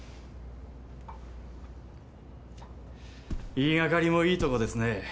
言いがかりもいいとこですね。